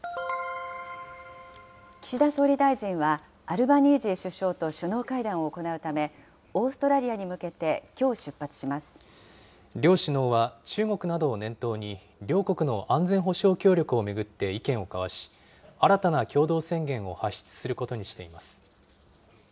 岸田総理大臣は、アルバニージー首相と首脳会談を行うため、オーストラリアに向け両首脳は、中国などを念頭に、両国の安全保障協力を巡って意見を交わし、新たな共同宣言を発出することにしています。